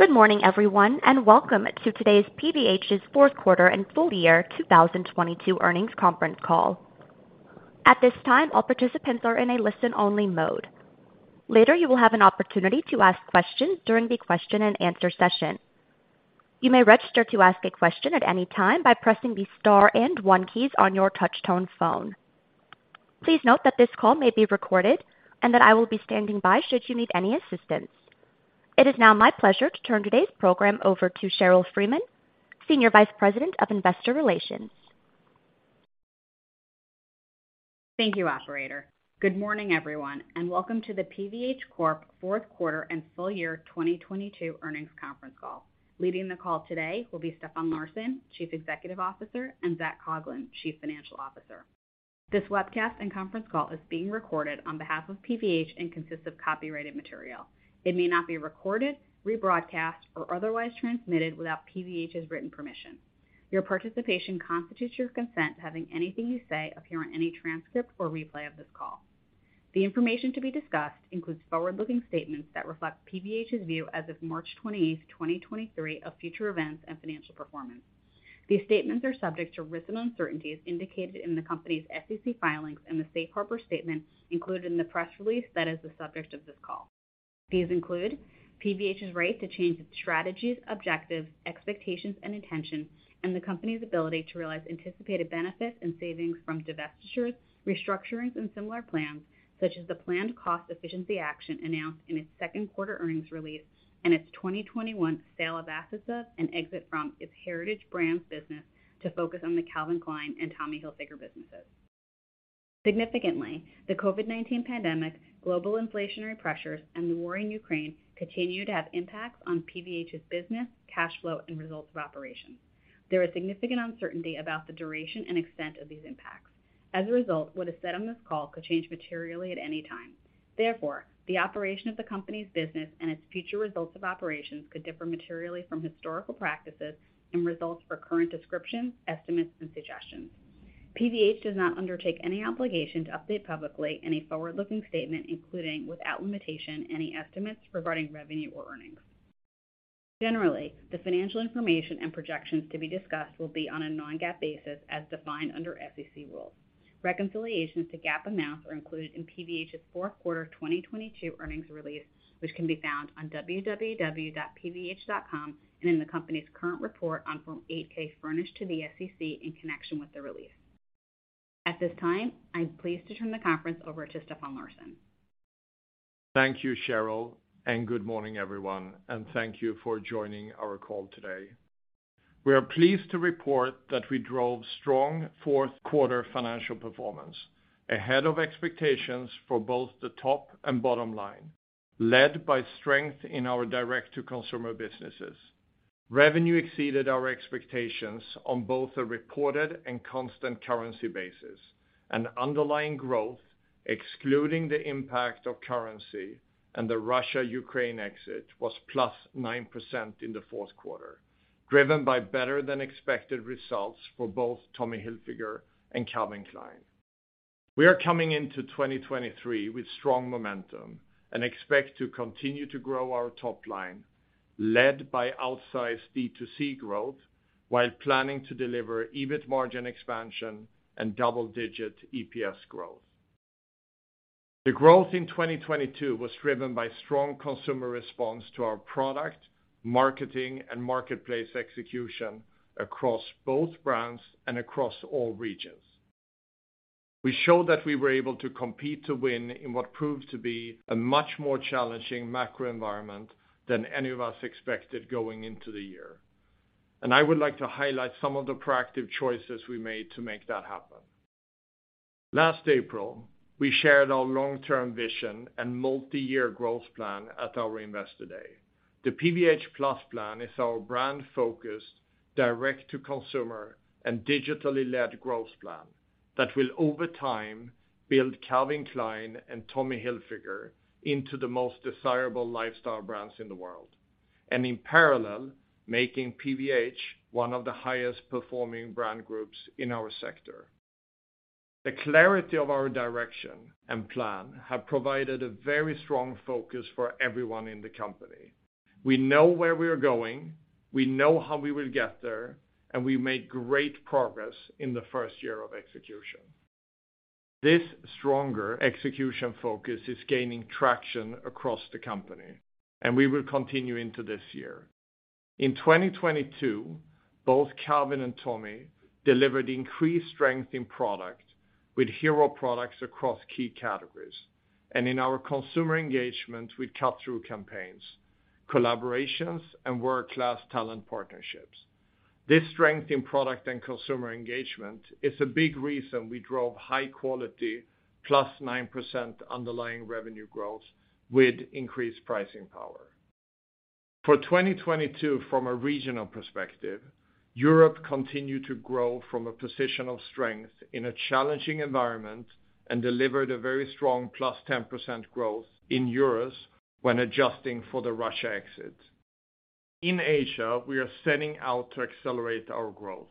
Good morning, everyone, and welcome to today's PVH's fourth quarter and full year 2022 earnings conference call. At this time, all participants are in a listen-only mode. Later, you will have an opportunity to ask questions during the question and answer session. You may register to ask a question at any time by pressing the star and one keys on your touch-tone phone. Please note that this call may be recorded, and that I will be standing by should you need any assistance. It is now my pleasure to turn today's program over to Sheryl Freeman, Senior Vice President of Investor Relations. Thank you, operator. Good morning, everyone, and welcome to the PVH Corp fourth quarter and full year 2022 earnings conference call. Leading the call today will be Stefan Larsson, Chief Executive Officer, and Zac Coughlin, Chief Financial Officer. This webcast and conference call is being recorded on behalf of PVH and consists of copyrighted material. It may not be recorded, rebroadcast, or otherwise transmitted without PVH's written permission. Your participation constitutes your consent to having anything you say appear on any transcript or replay of this call. The information to be discussed includes forward-looking statements that reflect PVH's view as of March 28th, 2023 of future events and financial performance. These statements are subject to risks and uncertainties indicated in the company's SEC filings and the safe harbor statement included in the press release that is the subject of this call. These include PVH's right to change its strategies, objectives, expectations, and intentions, and the company's ability to realize anticipated benefits and savings from divestitures, restructurings, and similar plans, such as the planned cost efficiency action announced in its second quarter earnings release and its 2021 sale of assets of and exit from its Heritage Brands business to focus on the Calvin Klein and Tommy Hilfiger businesses. Significantly, the COVID-19 pandemic, global inflationary pressures, and the war in Ukraine continue to have impacts on PVH's business, cash flow, and results of operations. There is significant uncertainty about the duration and extent of these impacts. As a result, what is said on this call could change materially at any time. Therefore, the operation of the company's business and its future results of operations could differ materially from historical practices and results for current descriptions, estimates, and suggestions. PVH does not undertake any obligation to update publicly any forward-looking statement, including, without limitation, any estimates regarding revenue or earnings. Generally, the financial information and projections to be discussed will be on a non-GAAP basis as defined under SEC rules. Reconciliations to GAAP amounts are included in PVH's fourth quarter 2022 earnings release, which can be found on www.pvh.com and in the company's current report on Form 8-K furnished to the SEC in connection with the release. At this time, I'm pleased to turn the conference over to Stefan Larsson. Thank you, Sheryl. Good morning, everyone, thank you for joining our call today. We are pleased to report that we drove strong fourth quarter financial performance ahead of expectations for both the top and bottom line, led by strength in our direct-to-consumer businesses. Revenue exceeded our expectations on both a reported and constant currency basis. Underlying growth, excluding the impact of currency and the Russia-Ukraine exit, was +9% in the fourth quarter, driven by better than expected results for both Tommy Hilfiger and Calvin Klein. We are coming into 2023 with strong momentum and expect to continue to grow our top line, led by outsized D2C growth while planning to deliver EBIT margin expansion and double-digit EPS growth. The growth in 2022 was driven by strong consumer response to our product, marketing, and marketplace execution across both brands and across all regions. We showed that we were able to compete to win in what proved to be a much more challenging macro environment than any of us expected going into the year. I would like to highlight some of the proactive choices we made to make that happen. Last April, we shared our long-term vision and multi-year growth plan at our Investor Day. The PVH+ Plan is our brand-focused, direct-to-consumer, and digitally led growth plan that will, over time, build Calvin Klein and Tommy Hilfiger into the most desirable lifestyle brands in the world, and in parallel, making PVH one of the highest performing brand groups in our sector. The clarity of our direction and plan have provided a very strong focus for everyone in the company. We know where we are going, we know how we will get there, and we made great progress in the first year of execution. This stronger execution focus is gaining traction across the company, and we will continue into this year. In 2022, both Calvin and Tommy delivered increased strength in product with hero products across key categories, and in our consumer engagement with cut-through campaigns, collaborations, and world-class talent partnerships. This strength in product and consumer engagement is a big reason we drove high quality +9% underlying revenue growth with increased pricing power. For 2022, from a regional perspective, Europe continued to grow from a position of strength in a challenging environment and delivered a very strong +10% growth in EUR when adjusting for the Russia exit. In Asia, we are setting out to accelerate our growth.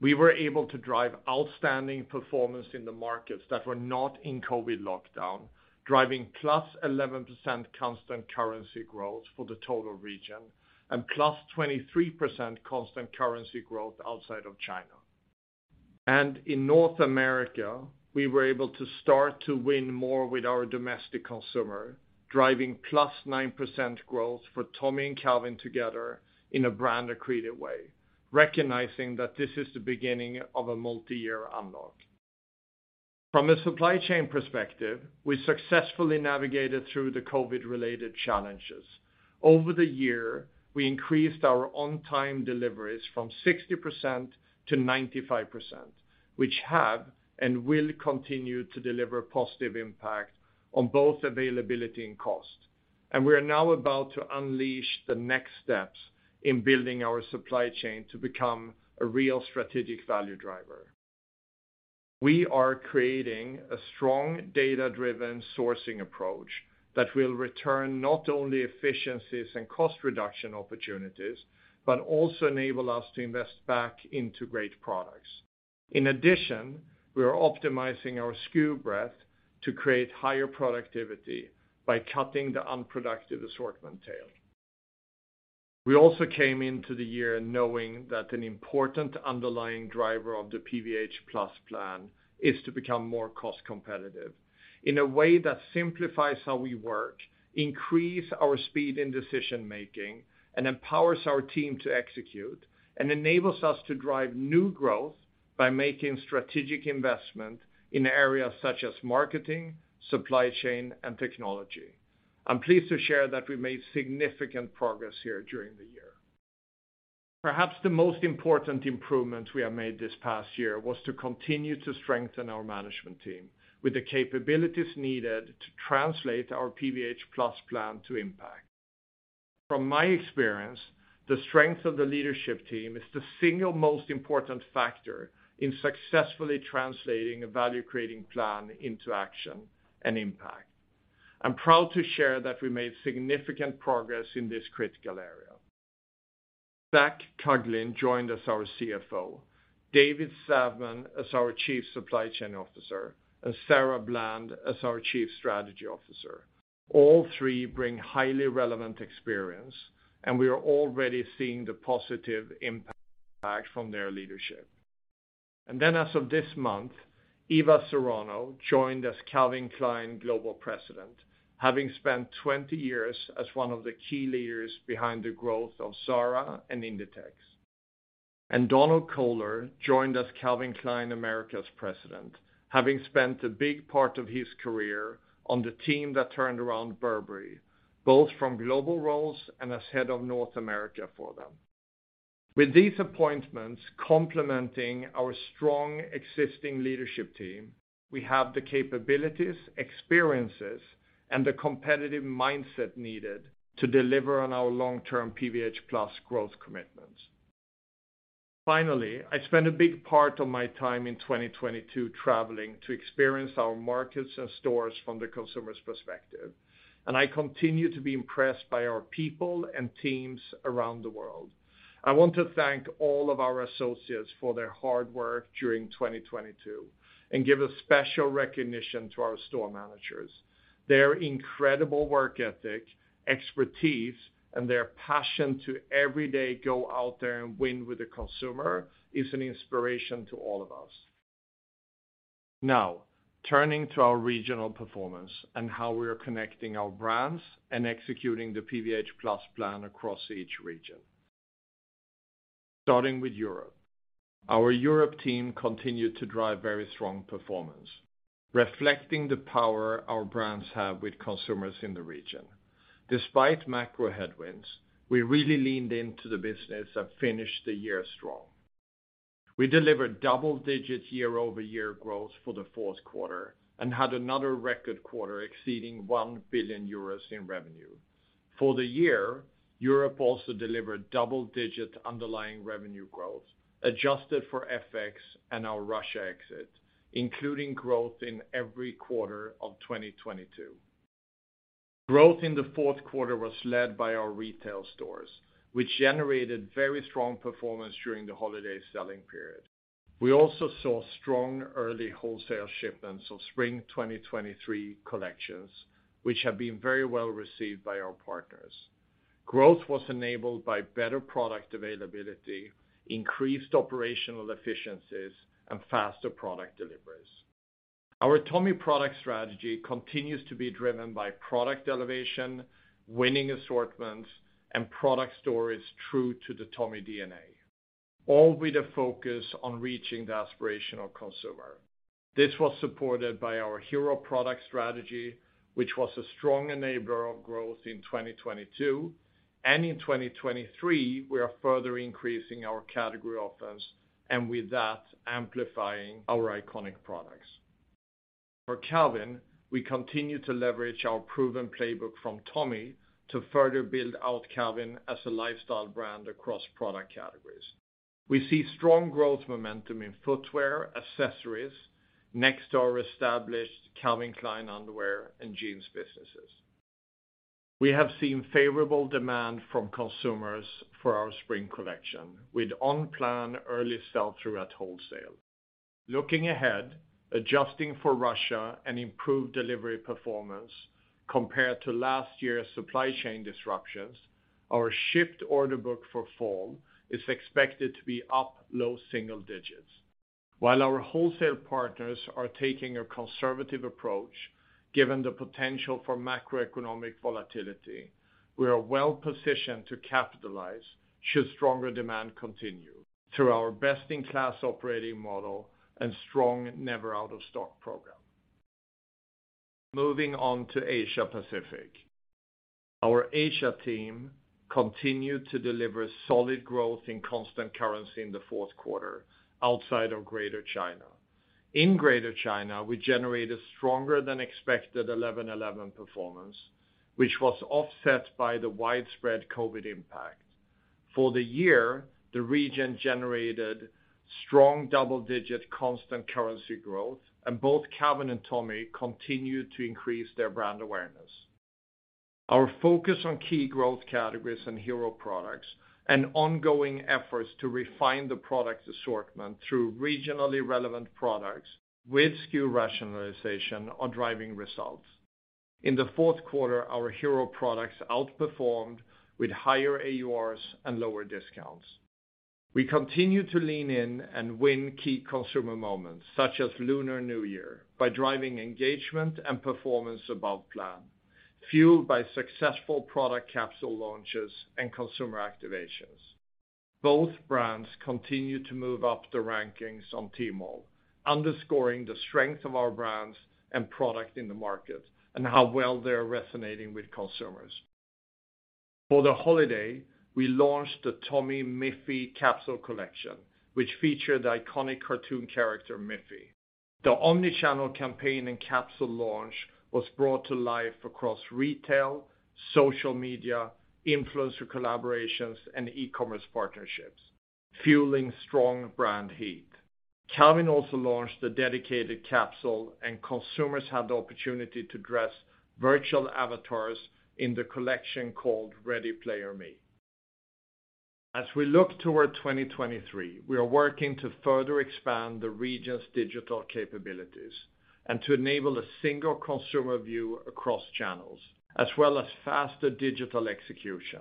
We were able to drive outstanding performance in the markets that were not in COVID lockdown, driving +11% constant currency growth for the total region, +23% constant currency growth outside of China. In North America, we were able to start to win more with our domestic consumer, driving +9% growth for Tommy and Calvin together in a brand accretive way, recognizing that this is the beginning of a multiyear unlock. From a supply chain perspective, we successfully navigated through the COVID related challenges. Over the year, we increased our on-time deliveries from 60% to 95%, which have and will continue to deliver positive impact on both availability and cost. We are now about to unleash the next steps in building our supply chain to become a real strategic value driver. We are creating a strong data-driven sourcing approach that will return not only efficiencies and cost reduction opportunities, but also enable us to invest back into great products. In addition, we are optimizing our SKU breadth to create higher productivity by cutting the unproductive assortment tail. We also came into the year knowing that an important underlying driver of the PVH+ Plan is to become more cost competitive in a way that simplifies how we work, increase our speed in decision-making, and empowers our team to execute, and enables us to drive new growth by making strategic investment in areas such as marketing, supply chain, and technology. I'm pleased to share that we made significant progress here during the year. Perhaps the most important improvements we have made this past year was to continue to strengthen our management team with the capabilities needed to translate our PVH+ Plan to impact. From my experience, the strength of the leadership team is the single most important factor in successfully translating a value-creating plan into action and impact. I'm proud to share that we made significant progress in this critical area. Zac Coughlin joined as our CFO, David Savman as our Chief Supply Chain Officer, and Sara Bland as our Chief Strategy Officer. We are already seeing the positive impact from their leadership. As of this month, Eva Serrano joined as Calvin Klein Global President, having spent 20 years as one of the key leaders behind the growth of Zara and Inditex. Donald Kohler joined as Calvin Klein Americas President, having spent a big part of his career on the team that turned around Burberry, both from global roles and as head of North America for them. With these appointments complementing our strong existing leadership team, we have the capabilities, experiences, and the competitive mindset needed to deliver on our long-term PVH+ growth commitments. Finally, I spent a big part of my time in 2022 traveling to experience our markets and stores from the consumer's perspective, and I continue to be impressed by our people and teams around the world. I want to thank all of our associates for their hard work during 2022 and give a special recognition to our store managers. Their incredible work ethic, expertise, and their passion to every day go out there and win with the consumer is an inspiration to all of us. Turning to our regional performance and how we are connecting our brands and executing the PVH+ Plan across each region. Starting with Europe. Our Europe team continued to drive very strong performance, reflecting the power our brands have with consumers in the region. Despite macro headwinds, we really leaned into the business and finished the year strong. We delivered double-digit year-over-year growth for the fourth quarter and had another record quarter exceeding 1 billion euros in revenue. For the year, Europe also delivered double-digit underlying revenue growth, adjusted for FX and our Russia exit, including growth in every quarter of 2022. Growth in the fourth quarter was led by our retail stores, which generated very strong performance during the holiday selling period. We also saw strong early wholesale shipments of spring 2023 collections, which have been very well received by our partners. Growth was enabled by better product availability, increased operational efficiencies, and faster product deliveries. Our Tommy product strategy continues to be driven by product elevation, winning assortments, and product stories true to the Tommy DNA, all with a focus on reaching the aspirational consumer. This was supported by our hero product strategy, which was a strong enabler of growth in 2022 and in 2023, we are further increasing our category offense, and with that, amplifying our iconic products. For Calvin, we continue to leverage our proven playbook from Tommy to further build out Calvin as a lifestyle brand across product categories. We see strong growth momentum in footwear, accessories, next to our established Calvin Klein Underwear and Jeans businesses. We have seen favorable demand from consumers for our spring collection with on-plan early sell-through at wholesale. Looking ahead, adjusting for Russia and improved delivery performance compared to last year's supply chain disruptions, our shipped order book for fall is expected to be up low single digits. While our wholesale partners are taking a conservative approach, given the potential for macroeconomic volatility, we are well-positioned to capitalize should stronger demand continue through our best-in-class operating model and strong never out of stock program. Moving on to Asia Pacific. Our Asia team continued to deliver solid growth in constant currency in the fourth quarter outside of Greater China. In Greater China, we generated stronger than expected 11.11 performance, which was offset by the widespread COVID-19 impact. For the year, the region generated strong double-digit constant currency growth, and both Calvin and Tommy continued to increase their brand awareness. Our focus on key growth categories and hero products and ongoing efforts to refine the product assortment through regionally relevant products with SKU rationalization are driving results. In the fourth quarter, our hero products outperformed with higher AURs and lower discounts. We continue to lean in and win key consumer moments, such as Lunar New Year, by driving engagement and performance above plan, fueled by successful product capsule launches and consumer activations. Both brands continue to move up the rankings on Tmall, underscoring the strength of our brands and product in the market and how well they are resonating with consumers. For the holiday, we launched the Tommy X Miffy capsule collection, which featured the iconic cartoon character Miffy. The omni-channel campaign and capsule launch was brought to life across retail, social media, influencer collaborations, and e-commerce partnerships, fueling strong brand heat. Calvin also launched a dedicated capsule. Consumers had the opportunity to dress virtual avatars in the collection called Ready Player Me. As we look toward 2023, we are working to further expand the region's digital capabilities and to enable a single consumer view across channels, as well as faster digital execution.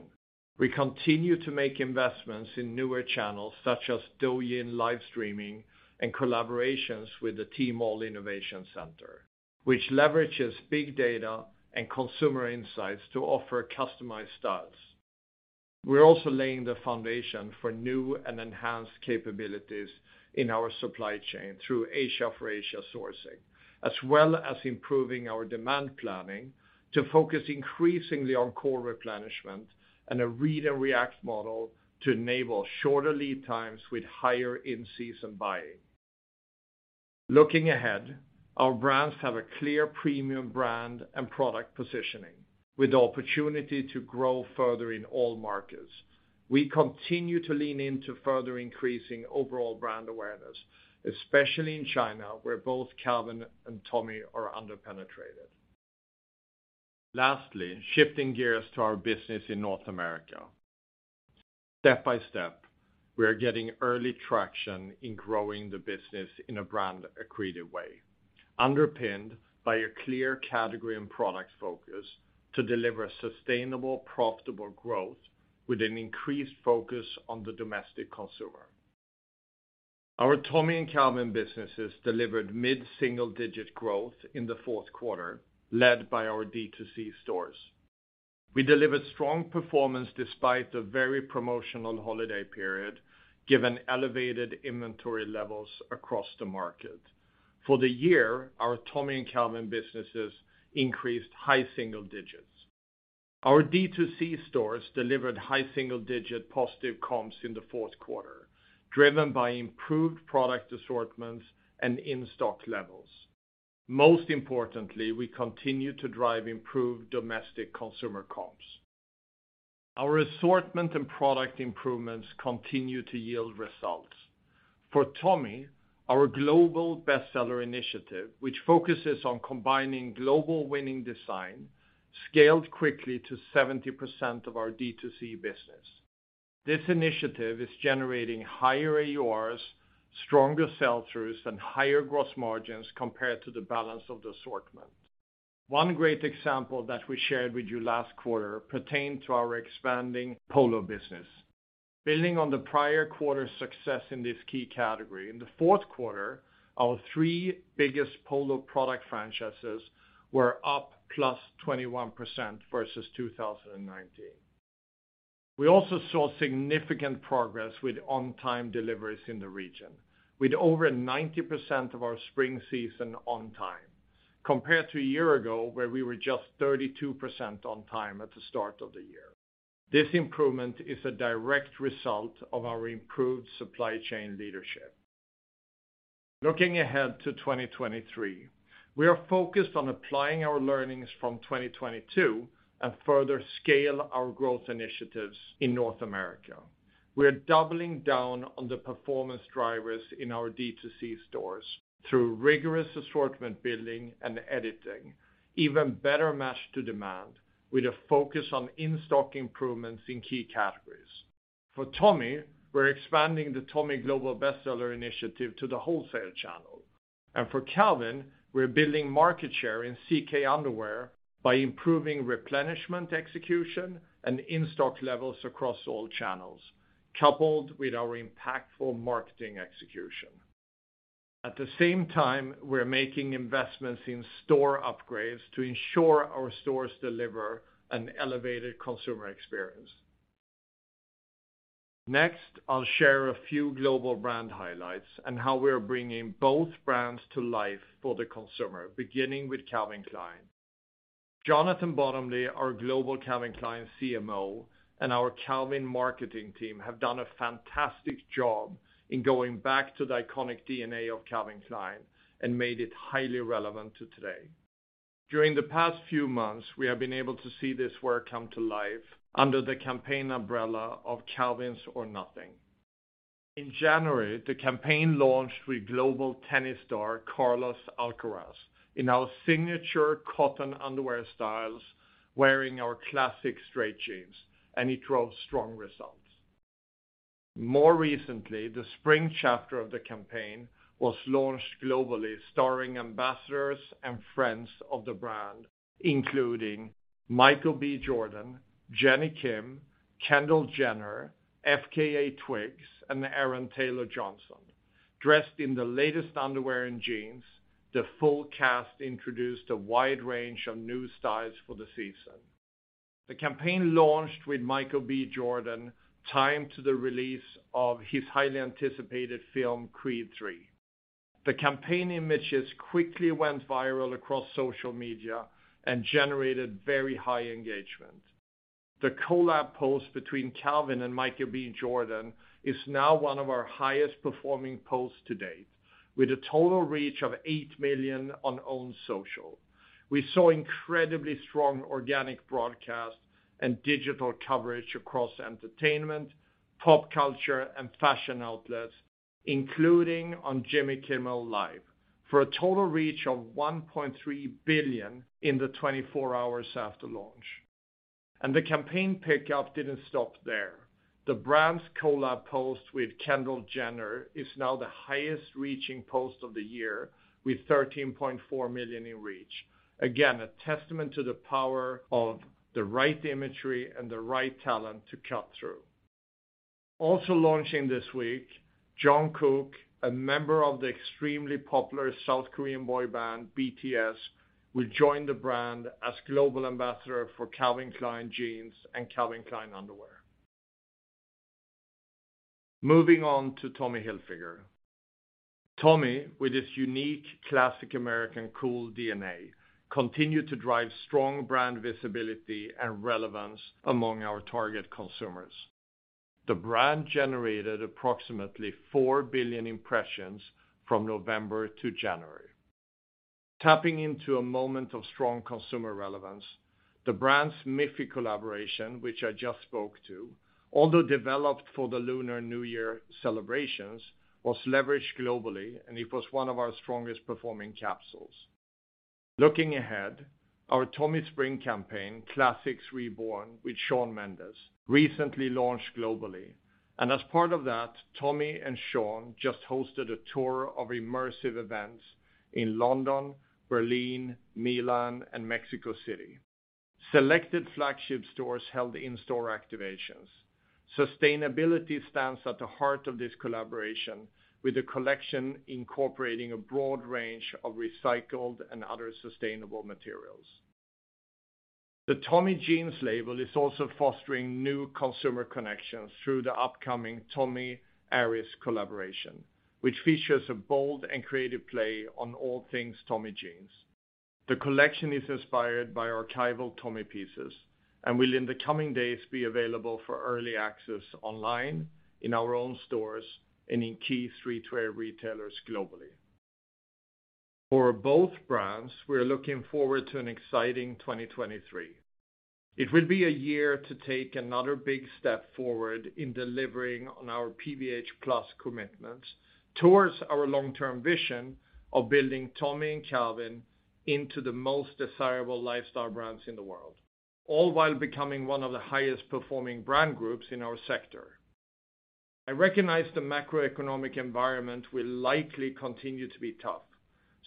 We continue to make investments in newer channels such as Douyin live streaming and collaborations with the Tmall Innovation Center, which leverages big data and consumer insights to offer customized styles. We're also laying the foundation for new and enhanced capabilities in our supply chain through Asia for Asia sourcing, as well as improving our demand planning to focus increasingly on core replenishment and a read and react model to enable shorter lead times with higher in-season buying. Looking ahead, our brands have a clear premium brand and product positioning with the opportunity to grow further in all markets. We continue to lean into further increasing overall brand awareness, especially in China, where both Calvin and Tommy are underpenetrated. Lastly, shifting gears to our business in North America. Step by step, we are getting early traction in growing the business in a brand-accretive way, underpinned by a clear category and product focus to deliver sustainable, profitable growth with an increased focus on the domestic consumer. Our Tommy and Calvin businesses delivered mid-single-digit growth in the fourth quarter, led by our D2C stores. We delivered strong performance despite the very promotional holiday period, given elevated inventory levels across the market. For the year, our Tommy and Calvin businesses increased high single digits. Our D2C stores delivered high single digit positive comps in the fourth quarter, driven by improved product assortments and in-stock levels. Most importantly, we continue to drive improved domestic consumer comps. Our assortment and product improvements continue to yield results. For Tommy, our global bestseller initiative, which focuses on combining global winning design, scaled quickly to 70% of our D2C business. This initiative is generating higher AURs, stronger sell-throughs, and higher gross margins compared to the balance of the assortment. One great example that we shared with you last quarter pertained to our expanding Polo business. Building on the prior quarter's success in this key category, in the fourth quarter, our three biggest Polo product franchises were up +21% versus 2019. We also saw significant progress with on-time deliveries in the region. With over 90% of our spring season on time, compared to a year ago, where we were just 32% on time at the start of the year. This improvement is a direct result of our improved supply chain leadership. Looking ahead to 2023, we are focused on applying our learnings from 2022 and further scale our growth initiatives in North America. We are doubling down on the performance drivers in our D2C stores through rigorous assortment building and editing, even better match to demand, with a focus on in-stock improvements in key categories. For Tommy, we're expanding the Tommy global bestseller initiative to the wholesale channel. For Calvin, we're building market share in CK underwear by improving replenishment execution and in-stock levels across all channels, coupled with our impactful marketing execution. At the same time, we're making investments in store upgrades to ensure our stores deliver an elevated consumer experience. Next, I'll share a few global brand highlights and how we're bringing both brands to life for the consumer, beginning with Calvin Klein. Jonathan Bottomley, our global Calvin Klein CMO, and our Calvin marketing team have done a fantastic job in going back to the iconic DNA of Calvin Klein and made it highly relevant to today. During the past few months, we have been able to see this work come to life under the campaign umbrella of Calvins or nothing. In January, the campaign launched with global tennis star Carlos Alcaraz in our signature cotton underwear styles, wearing our classic straight jeans, and it drove strong results. More recently, the spring chapter of the campaign was launched globally, starring ambassadors and friends of the brand, including Michael B. Jordan, Jennie Kim, Kendall Jenner, FKA twigs, and Aaron Taylor-Johnson. Dressed in the latest underwear and jeans, the full cast introduced a wide range of new styles for the season. The campaign launched with Michael B. Jordan, timed to the release of his highly anticipated film, Creed III. The campaign images quickly went viral across social media and generated very high engagement. The collab post between Calvin and Michael B. Jordan is now one of our highest performing posts to date, with a total reach of 8 million on own social. We saw incredibly strong organic broadcast and digital coverage across entertainment, pop culture, and fashion outlets, including on Jimmy Kimmel Live!, for a total reach of $1.3 billion in the 24 hours after launch. The campaign pickup didn't stop there. The brand's collab post with Kendall Jenner is now the highest reaching post of the year with $13.4 million in reach. Again, a testament to the power of the right imagery and the right talent to cut through. Launching this week, Jungkook, a member of the extremely popular South Korean boy band, BTS, will join the brand as global ambassador for Calvin Klein Jeans and Calvin Klein Underwear. Moving on to Tommy Hilfiger. Tommy, with its unique classic American Cool DNA, continued to drive strong brand visibility and relevance among our target consumers. The brand generated approximately 4 billion impressions from November to January. Tapping into a moment of strong consumer relevance, the brand's Miffy collaboration, which I just spoke to, although developed for the Lunar New Year celebrations, was leveraged globally, and it was one of our strongest performing capsules. Looking ahead, our Tommy Spring campaign, Classics Reborn, with Shawn Mendes, recently launched globally. As part of that, Tommy and Shawn just hosted a tour of immersive events in London, Berlin, Milan, and Mexico City. Selected flagship stores held in-store activations. Sustainability stands at the heart of this collaboration, with the collection incorporating a broad range of recycled and other sustainable materials. The Tommy Jeans label is also fostering new consumer connections through the upcoming Tommy X Aries collaboration which features a bold and creative play on all things Tommy Jeans. The collection is inspired by archival Tommy pieces and will in the coming days be available for early access online, in our own stores, and in key streetwear retailers globally. For both brands, we are looking forward to an exciting 2023. It will be a year to take another big step forward in delivering on our PVH+ commitments towards our long-term vision of building Tommy and Calvin into the most desirable lifestyle brands in the world, all while becoming one of the highest performing brand groups in our sector. I recognize the macroeconomic environment will likely continue to be tough.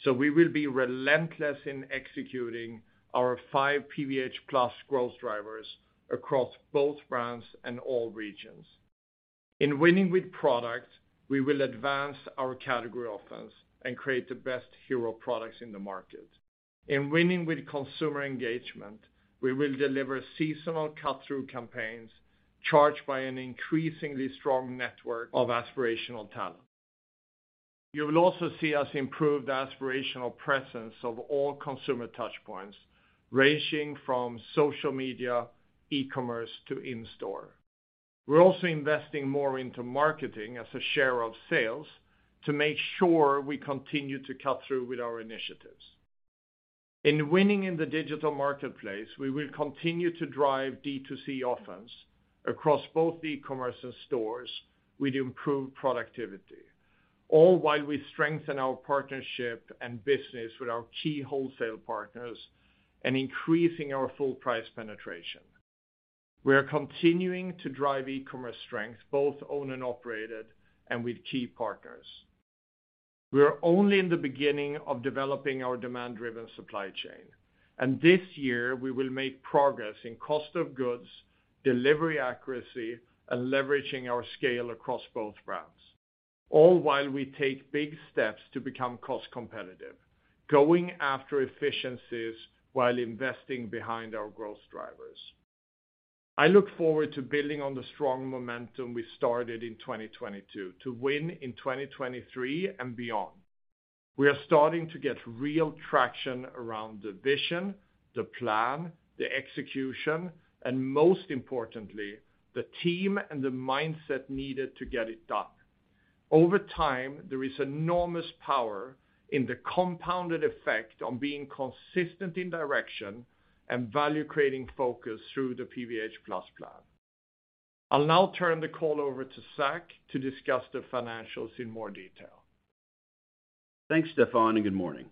We will be relentless in executing our 5 PVH+ growth drivers across both brands and all regions. In winning with product, we will advance our category offense and create the best hero products in the market. In winning with consumer engagement, we will deliver seasonal cut-through campaigns charged by an increasingly strong network of aspirational talent. You will also see us improve the aspirational presence of all consumer touchpoints, ranging from social media, e-commerce, to in-store. We're also investing more into marketing as a share of sales to make sure we continue to cut through with our initiatives. In winning in the digital marketplace, we will continue to drive D2C offense across both e-commerce and stores with improved productivity, all while we strengthen our partnership and business with our key wholesale partners and increasing our full price penetration. We are continuing to drive e-commerce strength, both owned and operated, and with key partners. We are only in the beginning of developing our demand-driven supply chain. This year we will make progress in cost of goods, delivery accuracy, and leveraging our scale across both brands, all while we take big steps to become cost competitive, going after efficiencies while investing behind our growth drivers. I look forward to building on the strong momentum we started in 2022 to win in 2023 and beyond. We are starting to get real traction around the vision, the plan, the execution, and most importantly, the team and the mindset needed to get it done. Over time, there is enormous power in the compounded effect on being consistent in direction and value-creating focus through the PVH+ Plan. I'll now turn the call over to Zac to discuss the financials in more detail. Thanks, Stefan. Good morning.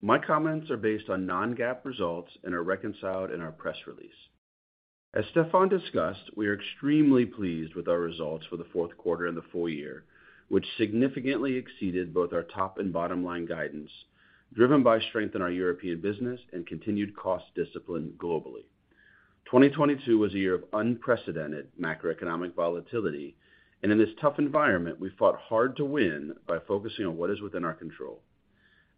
My comments are based on non-GAAP results and are reconciled in our press release. As Stefan discussed, we are extremely pleased with our results for the fourth quarter and the full year, which significantly exceeded both our top and bottom line guidance, driven by strength in our European business and continued cost discipline globally. 2022 was a year of unprecedented macroeconomic volatility. In this tough environment, we fought hard to win by focusing on what is within our control.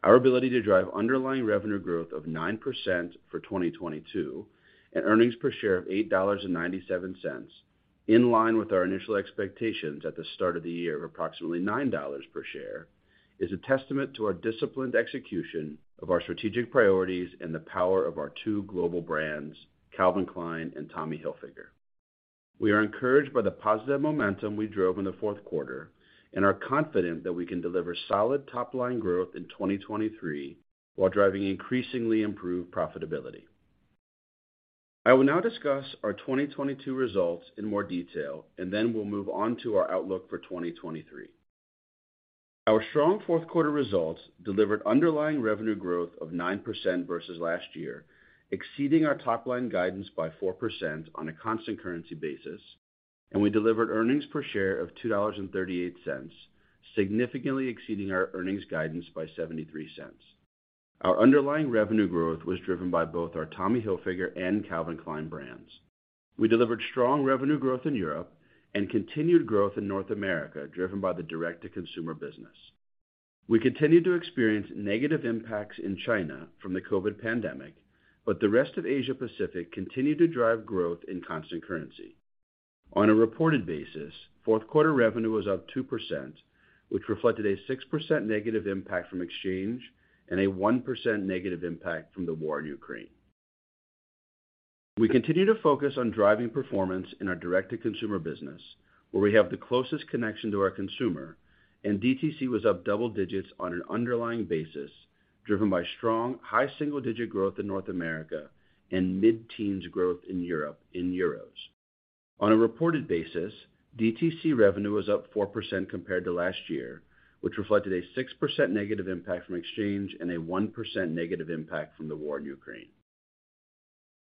Our ability to drive underlying revenue growth of 9% for 2022 and earnings per share of $8.97, in line with our initial expectations at the start of the year of approximately $9 per share, is a testament to our disciplined execution of our strategic priorities and the power of our two global brands, Calvin Klein and Tommy Hilfiger. We are encouraged by the positive momentum we drove in the fourth quarter and are confident that we can deliver solid top-line growth in 2023 while driving increasingly improved profitability. I will now discuss our 2022 results in more detail, and then we'll move on to our outlook for 2023. Our strong fourth quarter results delivered underlying revenue growth of 9% versus last year, exceeding our top-line guidance by 4% on a constant currency basis. We delivered earnings per share of $2.38, significantly exceeding our earnings guidance by $0.73. Our underlying revenue growth was driven by both our Tommy Hilfiger and Calvin Klein brands. We delivered strong revenue growth in Europe and continued growth in North America, driven by the direct-to-consumer business. We continued to experience negative impacts in China from the COVID-19 pandemic. The rest of Asia-Pacific continued to drive growth in constant currency. On a reported basis, fourth quarter revenue was up 2%, which reflected a 6% negative impact from exchange and a 1% negative impact from the war in Ukraine. We continue to focus on driving performance in our direct-to-consumer business, where we have the closest connection to our consumer. DTC was up double digits on an underlying basis, driven by strong high single-digit growth in North America and mid-teens growth in Europe in euros. On a reported basis, DTC revenue was up 4% compared to last year, which reflected a 6% negative impact from exchange and a 1% negative impact from the war in Ukraine.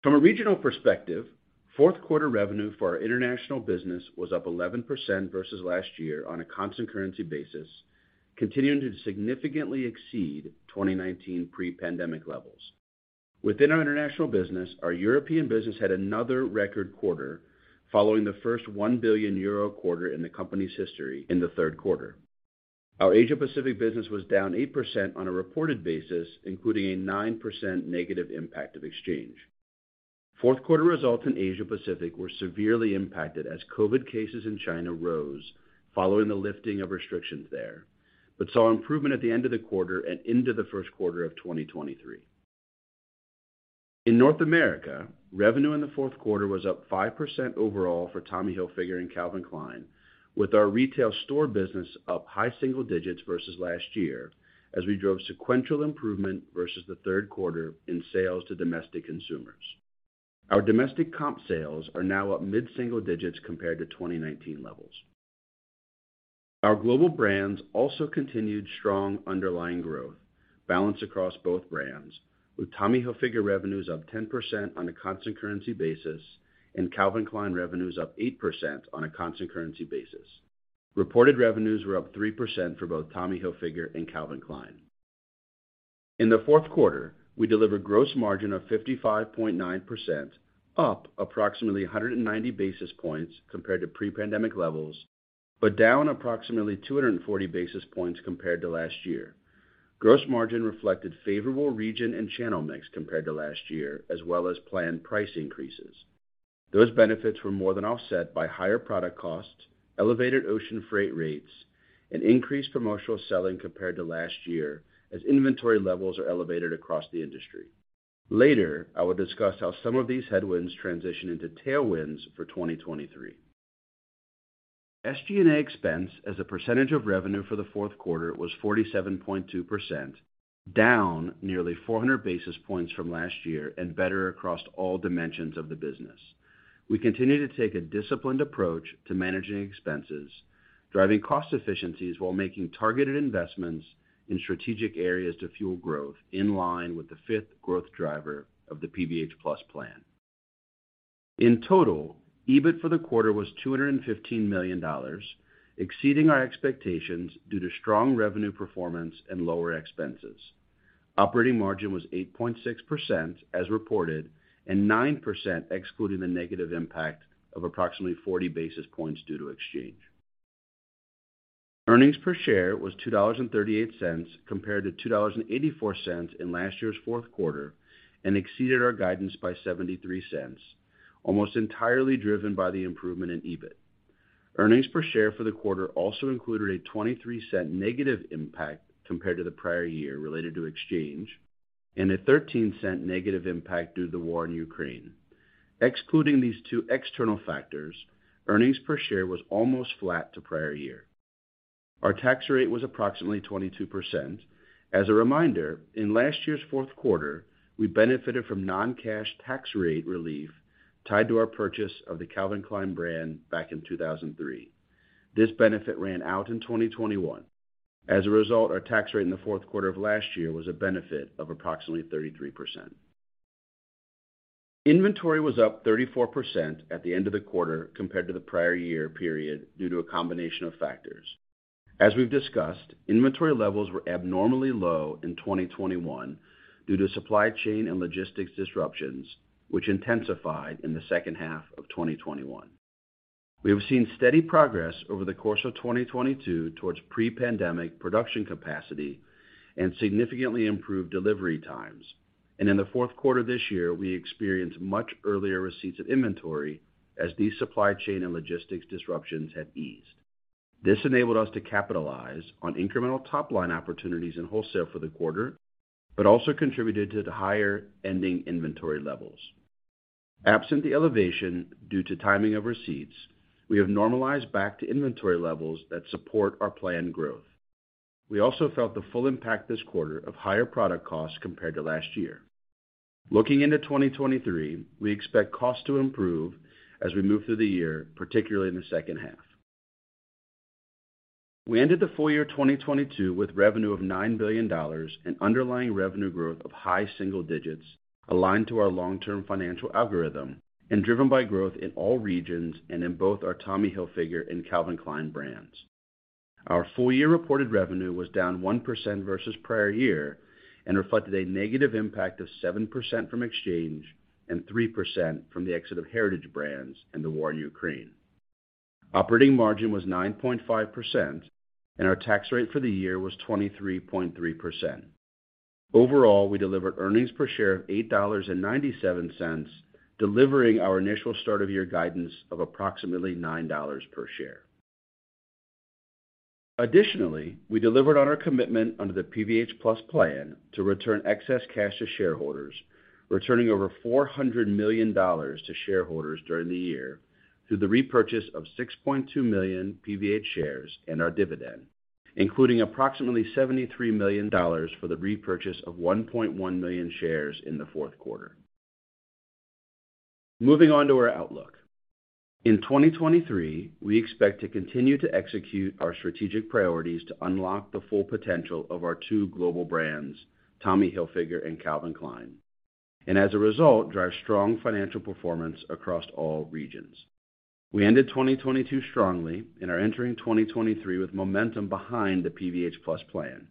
From a regional perspective, fourth quarter revenue for our international business was up 11% versus last year on a constant currency basis, continuing to significantly exceed 2019 pre-pandemic levels. Within our international business, our European business had another record quarter following the first 1 billion euro quarter in the company's history in the third quarter. Our Asia-Pacific business was down 8% on a reported basis, including a 9% negative impact of exchange. Fourth quarter results in Asia-Pacific were severely impacted as Covid cases in China rose following the lifting of restrictions there, saw improvement at the end of the quarter and into the first quarter of 2023. In North America, revenue in the fourth quarter was up 5% overall for Tommy Hilfiger and Calvin Klein, with our retail store business up high single digits versus last year as we drove sequential improvement versus the third quarter in sales to domestic consumers. Our domestic comp sales are now up mid-single digits compared to 2019 levels. Our global brands also continued strong underlying growth balanced across both brands, with Tommy Hilfiger revenues up 10% on a constant currency basis, Calvin Klein revenues up 8% on a constant currency basis. Reported revenues were up 3% for both Tommy Hilfiger and Calvin Klein. In the fourth quarter, we delivered gross margin of 55.9%, up approximately 190 basis points compared to pre-pandemic levels, down approximately 240 basis points compared to last year. Gross margin reflected favorable region and channel mix compared to last year, as well as planned price increases. Those benefits were more than offset by higher product costs, elevated ocean freight rates, and increased promotional selling compared to last year as inventory levels are elevated across the industry. Later, I will discuss how some of these headwinds transition into tailwinds for 2023. SG&A expense as a percentage of revenue for the fourth quarter was 47.2%, down nearly 400 basis points from last year and better across all dimensions of the business. We continue to take a disciplined approach to managing expenses, driving cost efficiencies while making targeted investments in strategic areas to fuel growth in line with the fifth growth driver of the PVH+ Plan. In total, EBIT for the quarter was $215 million, exceeding our expectations due to strong revenue performance and lower expenses. Operating margin was 8.6% as reported, and 9% excluding the negative impact of approximately 40 basis points due to exchange. Earnings per share was $2.38 compared to $2.84 in last year's fourth quarter, and exceeded our guidance by $0.73, almost entirely driven by the improvement in EBIT. Earnings per share for the quarter also included a $0.23 negative impact compared to the prior year related to exchange, and a $0.13 negative impact due to the war in Ukraine. Excluding these two external factors, earnings per share was almost flat to prior year. Our tax rate was approximately 22%. As a reminder, in last year's fourth quarter, we benefited from non-cash tax rate relief tied to our purchase of the Calvin Klein brand back in 2003. This benefit ran out in 2021. As a result, our tax rate in the fourth quarter of last year was a benefit of approximately 33%. Inventory was up 34% at the end of the quarter compared to the prior year period due to a combination of factors. As we've discussed, inventory levels were abnormally low in 2021 due to supply chain and logistics disruptions, which intensified in the second half of 2021. We have seen steady progress over the course of 2022 towards pre-pandemic production capacity and significantly improved delivery times. In the 4th quarter this year, we experienced much earlier receipts of inventory as these supply chain and logistics disruptions have eased. This enabled us to capitalize on incremental top-line opportunities in wholesale for the quarter, but also contributed to the higher ending inventory levels. Absent the elevation due to timing of receipts, we have normalized back to inventory levels that support our planned growth. We also felt the full impact this quarter of higher product costs compared to last year. Looking into 2023, we expect costs to improve as we move through the year, particularly in the second half. We ended the full year 2022 with revenue of $9 billion and underlying revenue growth of high single digits aligned to our long-term financial algorithm and driven by growth in all regions and in both our Tommy Hilfiger and Calvin Klein brands. Our full year reported revenue was down 1% versus prior year and reflected a negative impact of 7% from exchange and 3% from the exit of Heritage Brands and the war in Ukraine. Operating margin was 9.5%, and our tax rate for the year was 23.3%. Overall, we delivered earnings per share of $8.97, delivering our initial start of year guidance of approximately $9 per share. Additionally, we delivered on our commitment under the PVH+ Plan to return excess cash to shareholders, returning over $400 million to shareholders during the year through the repurchase of 6.2 million PVH shares and our dividend, including approximately $73 million for the repurchase of 1.1 million shares in the fourth quarter. Moving on to our outlook. In 2023, we expect to continue to execute our strategic priorities to unlock the full potential of our two global brands, Tommy Hilfiger and Calvin Klein, as a result, drive strong financial performance across all regions. We ended 2022 strongly and are entering 2023 with momentum behind the PVH+ Plan.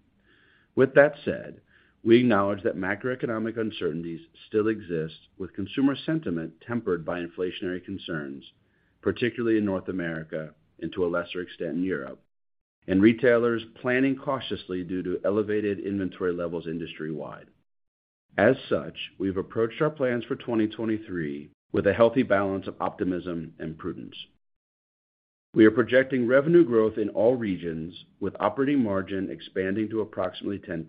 With that said, we acknowledge that macroeconomic uncertainties still exist, with consumer sentiment tempered by inflationary concerns, particularly in North America and to a lesser extent in Europe, and retailers planning cautiously due to elevated inventory levels industry-wide. As such, we've approached our plans for 2023 with a healthy balance of optimism and prudence. We are projecting revenue growth in all regions, with operating margin expanding to approximately 10%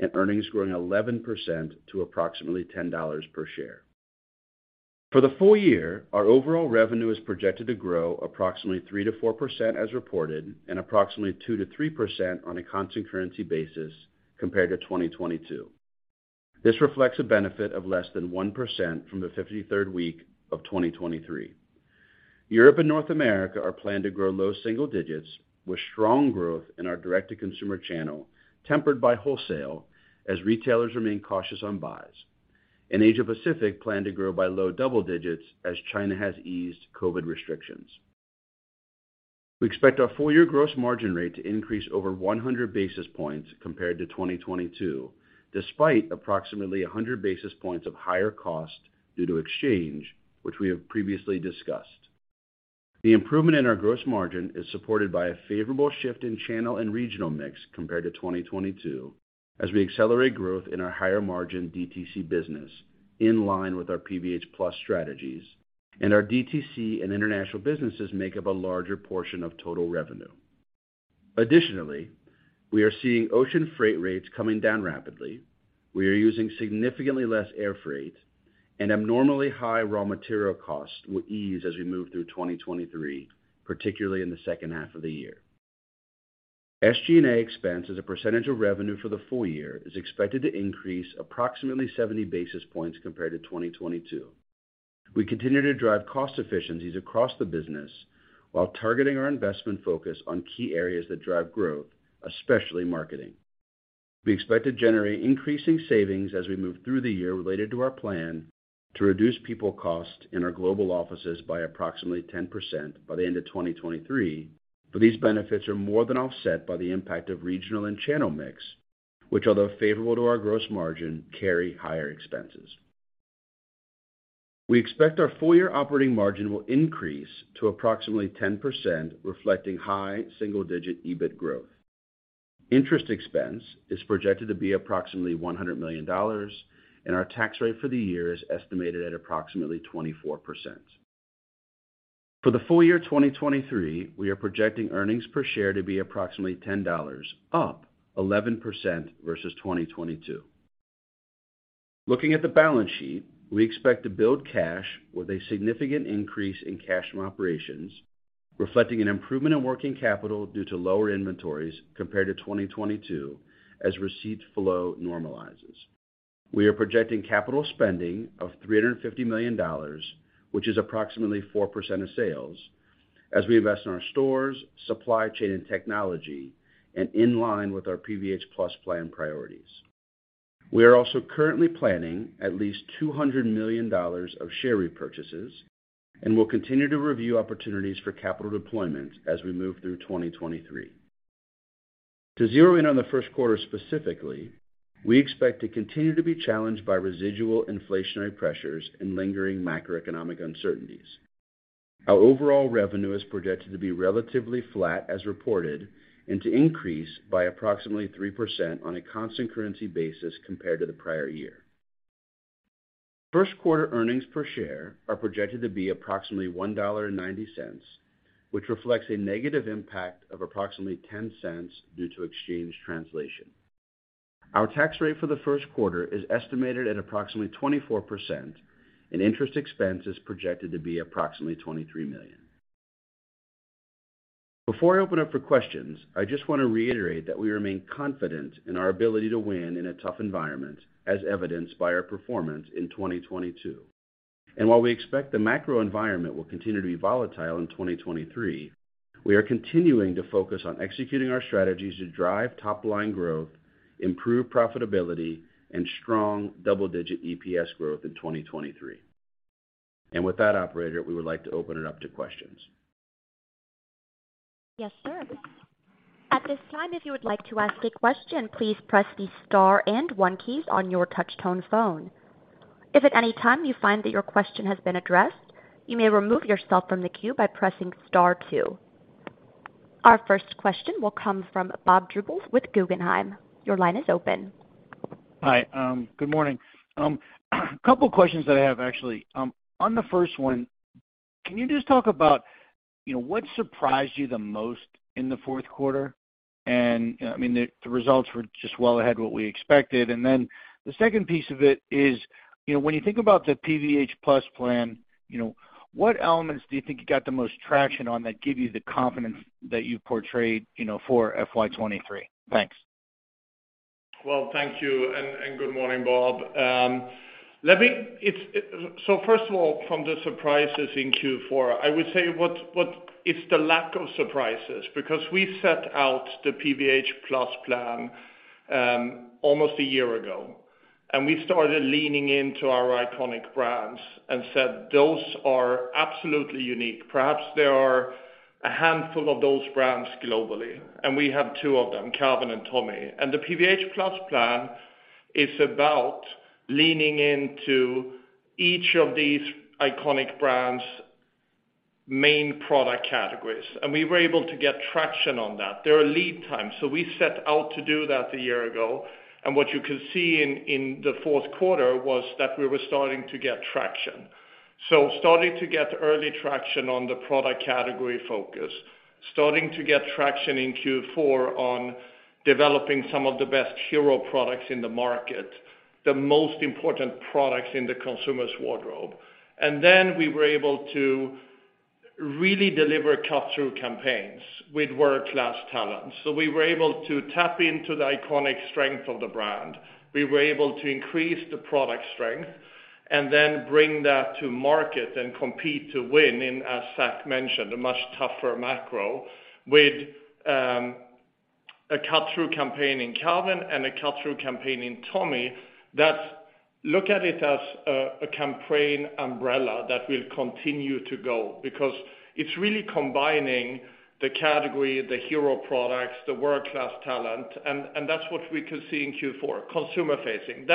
and earnings growing 11% to approximately $10 per share. For the full year, our overall revenue is projected to grow approximately 3%-4% as reported and approximately 2%-3% on a constant currency basis compared to 2022. This reflects a benefit of less than 1% from the 53rd week of 2023. Europe and North America are planned to grow low single digits with strong growth in our direct-to-consumer channel, tempered by wholesale as retailers remain cautious on buys. Asia-Pacific plan to grow by low double digits as China has eased COVID restrictions. We expect our full year gross margin rate to increase over 100 basis points compared to 2022, despite approximately 100 basis points of higher cost due to exchange, which we have previously discussed. The improvement in our gross margin is supported by a favorable shift in channel and regional mix compared to 2022 as we accelerate growth in our higher margin DTC business in line with our PVH+ strategies, and our DTC and international businesses make up a larger portion of total revenue. Additionally, we are seeing ocean freight rates coming down rapidly. We are using significantly less air freight. Abnormally high raw material costs will ease as we move through 2023, particularly in the second half of the year. SG&A expense as a percentage of revenue for the full year is expected to increase approximately 70 basis points compared to 2022. We continue to drive cost efficiencies across the business while targeting our investment focus on key areas that drive growth, especially marketing. We expect to generate increasing savings as we move through the year related to our plan to reduce people costs in our global offices by approximately 10% by the end of 2023. These benefits are more than offset by the impact of regional and channel mix, which, although favorable to our gross margin, carry higher expenses. We expect our full year operating margin will increase to approximately 10%, reflecting high single-digit EBIT growth. Interest expense is projected to be approximately $100 million. Our tax rate for the year is estimated at approximately 24%. For the full year 2023, we are projecting earnings per share to be approximately $10, up 11% versus 2022. Looking at the balance sheet, we expect to build cash with a significant increase in cash from operations, reflecting an improvement in working capital due to lower inventories compared to 2022 as receipt flow normalizes. We are projecting capital spending of $350 million, which is approximately 4% of sales as we invest in our stores, supply chain, and technology and in line with our PVH+ Plan priorities. We are also currently planning at least $200 million of share repurchases, and we'll continue to review opportunities for capital deployment as we move through 2023. To zero in on the first quarter specifically, we expect to continue to be challenged by residual inflationary pressures and lingering macroeconomic uncertainties. Our overall revenue is projected to be relatively flat as reported, and to increase by approximately 3% on a constant currency basis compared to the prior year. First quarter earnings per share are projected to be approximately $1.90, which reflects a negative impact of approximately $0.10 due to exchange translation. Our tax rate for the first quarter is estimated at approximately 24%, and interest expense is projected to be approximately $23 million. Before I open up for questions, I just want to reiterate that we remain confident in our ability to win in a tough environment, as evidenced by our performance in 2022. While we expect the macro environment will continue to be volatile in 2023, we are continuing to focus on executing our strategies to drive top line growth, improve profitability and strong double-digit EPS growth in 2023. With that operator, we would like to open it up to questions. Yes, sir. At this time, if you would like to ask a question, please press the star and one keys on your touch tone phone. If at any time you find that your question has been addressed, you may remove yourself from the queue by pressing star two. Our first question will come from Bob Drbul with Guggenheim. Your line is open. Hi. Good morning. A couple questions that I have actually. On the first one, can you just talk about, you know, what surprised you the most in the fourth quarter? I mean, the results were just well ahead what we expected. The second piece of it is, you know, when you think about the PVH+ Plan, you know, what elements do you think you got the most traction on that give you the confidence that you portrayed, you know, for FY 2023? Thanks. Well, thank you and good morning, Bob. first of all, from the surprises in Q4, I would say what's the lack of surprises because we set out the PVH+ Plan, almost a year ago, we started leaning into our iconic brands and said those are absolutely unique. Perhaps there are a handful of those brands globally, and we have 2 of them, Calvin and Tommy. The PVH+ Plan is about leaning into each of these iconic brands' main product categories, we were able to get traction on that. There are lead times, we set out to do that a year ago, and what you can see in the fourth quarter was that we were starting to get traction. Starting to get early traction on the product category focus, starting to get traction in Q4 on developing some of the best hero products in the market, the most important products in the consumer's wardrobe. We were able to really deliver cut through campaigns with world-class talent. We were able to tap into the iconic strength of the brand. We were able to increase the product strength and then bring that to market and compete to win in, as Zac mentioned, a much tougher macro with a cut through campaign in Calvin and a cut through campaign in Tommy that look at it as a campaign umbrella that will continue to go because it's really combining the category, the hero products, the world-class talent and that's what we could see in Q4 consumer facing.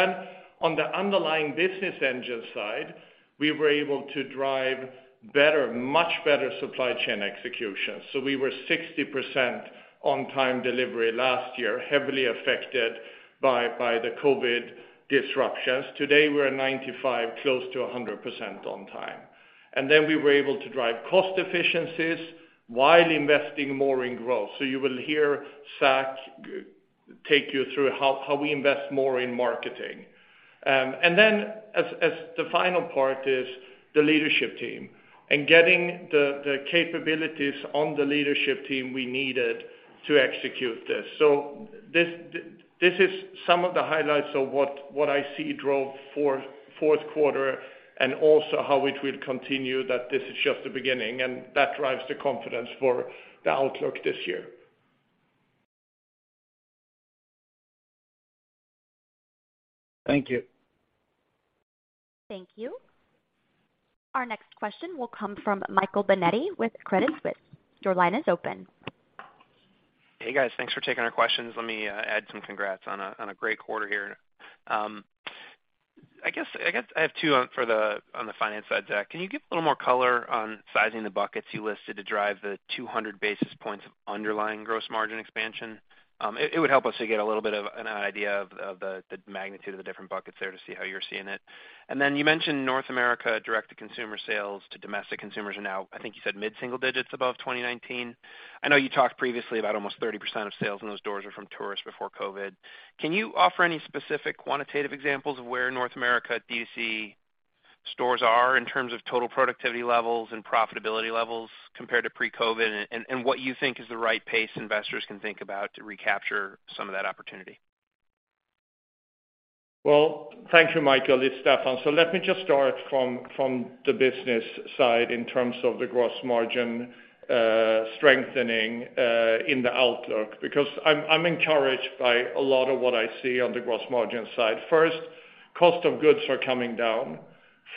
On the underlying business engine side, we were able to drive better, much better supply chain execution. We were 60% on time delivery last year, heavily affected by the COVID disruptions. Today we're at 95, close to 100% on time. We were able to drive cost efficiencies while investing more in growth. You will hear Zac. Take you through how we invest more in marketing. As the final part is the leadership team and getting the capabilities on the leadership team we needed to execute this. This is some of the highlights of what I see drove fourth quarter and also how it will continue that this is just the beginning, and that drives the confidence for the outlook this year. Thank you. Thank you. Our next question will come from Michael Binetti with Credit Suisse. Your line is open. Hey, guys. Thanks for taking our questions. Let me add some congrats on a great quarter here. I guess I have two on the finance side, Zac. Can you give a little more color on sizing the buckets you listed to drive the 200 basis points of underlying gross margin expansion? It would help us to get a little bit of an idea of the magnitude of the different buckets there to see how you're seeing it. You mentioned North America direct-to-consumer sales to domestic consumers are now, I think you said mid-single digits above 2019. I know you talked previously about almost 30% of sales in those stores are from tourists before COVID. Can you offer any specific quantitative examples of where North America DTC stores are in terms of total productivity levels and profitability levels compared to pre-COVID, and what you think is the right pace investors can think about to recapture some of that opportunity? Well, thank you, Michael. It's Stefan. Let me just start from the business side in terms of the gross margin strengthening in the outlook, because I'm encouraged by a lot of what I see on the gross margin side. First, cost of goods are coming down,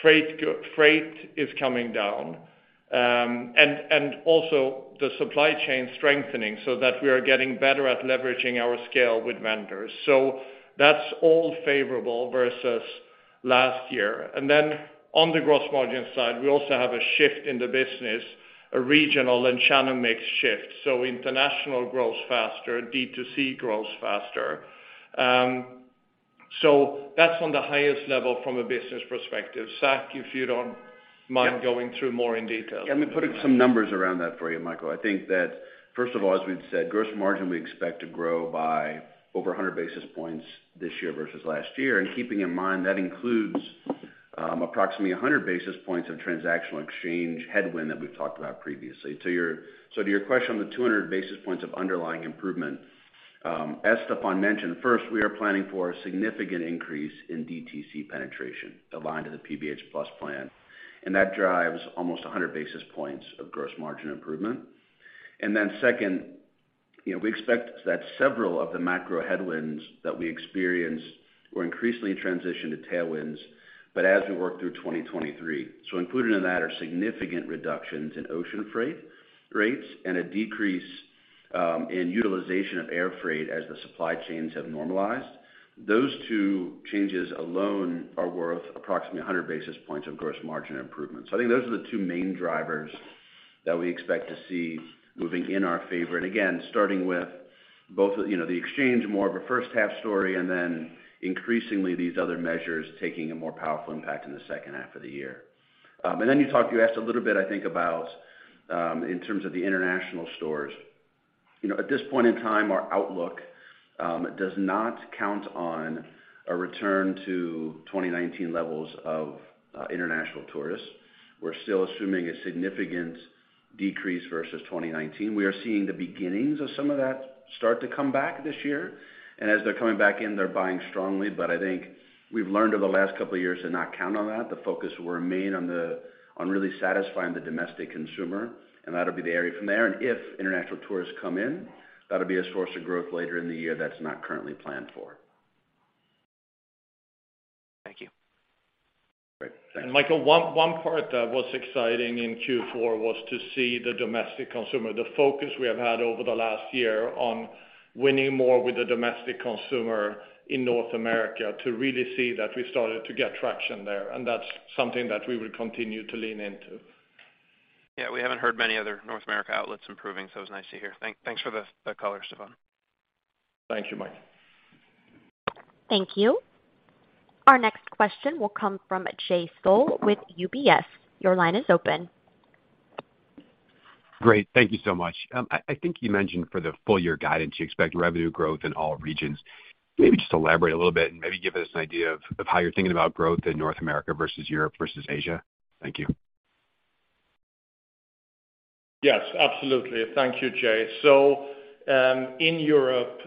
freight is coming down, and also the supply chain strengthening so that we are getting better at leveraging our scale with vendors. That's all favorable versus last year. Then on the gross margin side, we also have a shift in the business, a regional and channel mix shift. International grows faster, D2C grows faster. That's on the highest level from a business perspective. Zac, if you don't mind going through more in detail. I mean, putting some numbers around that for you, Michael. I think that first of all, as we've said, gross margin we expect to grow by over 100 basis points this year versus last year. Keeping in mind, that includes approximately 100 basis points of transactional exchange headwind that we've talked about previously. To your question on the 200 basis points of underlying improvement, as Stefan mentioned, first, we are planning for a significant increase in DTC penetration aligned to the PVH+ Plan, and that drives almost 100 basis points of gross margin improvement. Second, you know, we expect that several of the macro headwinds that we experience will increasingly transition to tailwinds, but as we work through 2023. Included in that are significant reductions in ocean freight rates and a decrease in utilization of air freight as the supply chains have normalized. Those two changes alone are worth approximately 100 basis points of gross margin improvements. I think those are the two main drivers that we expect to see moving in our favor. Again, starting with both, you know, the exchange, more of a first half story, and then increasingly these other measures taking a more powerful impact in the second half of the year. You talked, you asked a little bit, I think, about in terms of the international stores. You know, at this point in time, our outlook does not count on a return to 2019 levels of international tourists. We're still assuming a significant decrease versus 2019. We are seeing the beginnings of some of that start to come back this year. As they're coming back in, they're buying strongly. I think we've learned over the last couple of years to not count on that. The focus will remain on really satisfying the domestic consumer, and that'll be the area from there. If international tourists come in, that'll be a source of growth later in the year that's not currently planned for. Thank you. Great. Thanks. Michael, one part that was exciting in Q4 was to see the domestic consumer, the focus we have had over the last year on winning more with the domestic consumer in North America, to really see that we started to get traction there, and that's something that we will continue to lean into. Yeah, we haven't heard many other North America outlets improving, so it was nice to hear. Thanks for the color, Stefan. Thank you, Michael. Thank you. Our next question will come from Jay Sole with UBS. Your line is open. Great. Thank you so much. I think you mentioned for the full year guidance, you expect revenue growth in all regions. Maybe just elaborate a little bit and maybe give us an idea of how you're thinking about growth in North America versus Europe versus Asia. Thank you. Yes, absolutely. Thank you, Jay. In Europe,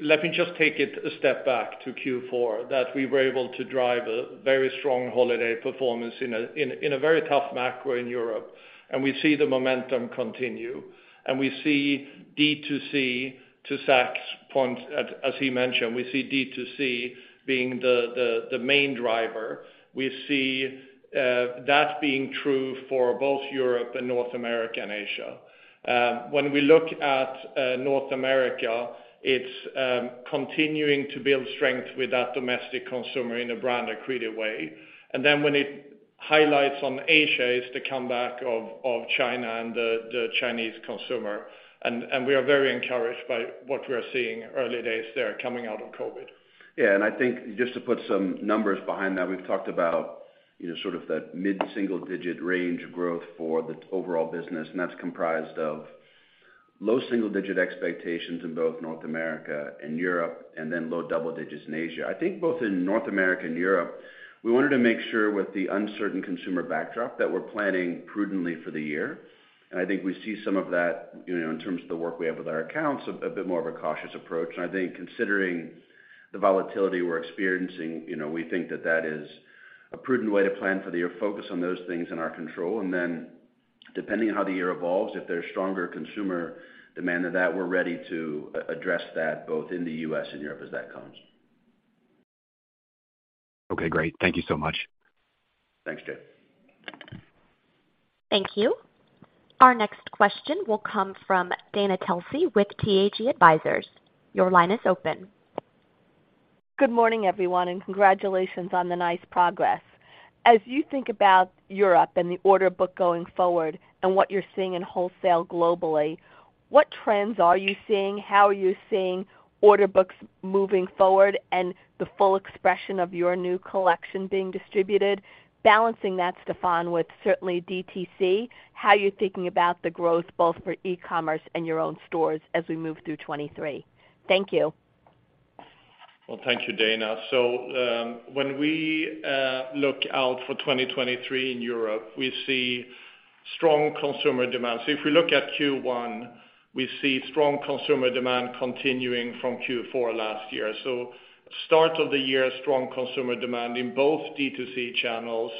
let me just take it a step back to Q4, that we were able to drive a very strong holiday performance in a, in a, in a very tough macro in Europe. We see the momentum continue. We see D2C, to Zac's point, as he mentioned, we see D2C being the main driver. We see that being true for both Europe and North America and Asia. When we look at North America, it's continuing to build strength with that domestic consumer in a brand-accretive way. When it highlights on Asia is the comeback of China and the Chinese consumer. We are very encouraged by what we are seeing early days there coming out of COVID. Yeah. I think just to put some numbers behind that, we've talked about. You know, sort of that mid-single-digit range growth for the overall business, and that's comprised of low single-digit expectations in both North America and Europe, and then low double digits in Asia. I think both in North America and Europe, we wanted to make sure with the uncertain consumer backdrop that we're planning prudently for the year. I think we see some of that, you know, in terms of the work we have with our accounts, a bit more of a cautious approach. I think considering the volatility we're experiencing, you know, we think that that is a prudent way to plan for the year, focus on those things in our control. Depending on how the year evolves, if there's stronger consumer demand than that, we're ready to address that both in the US and Europe as that comes. Okay, great. Thank you so much. Thanks, Jay. Thank you. Our next question will come from Dana Telsey with TAG Advisors. Your line is open. Good morning, everyone. Congratulations on the nice progress. As you think about Europe and the order book going forward and what you're seeing in wholesale globally, what trends are you seeing? How are you seeing order books moving forward and the full expression of your new collection being distributed? Balancing that, Stefan, with certainly DTC, how you're thinking about the growth both for e-commerce and your own stores as we move through 2023? Thank you. Well, thank you, Dana. When we look out for 2023 in Europe, we see strong consumer demand. If we look at Q1, we see strong consumer demand continuing from Q4 last year. Start of the year, strong consumer demand in both D2C channels